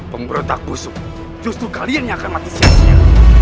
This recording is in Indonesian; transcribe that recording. pemberontak busuk justru kalian yang akan mati siasya